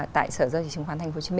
tại sở do chứng khoán tp hcm